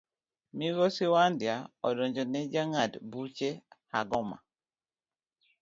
Migosi wandia odonjo ne jang'ad buche Hagoma.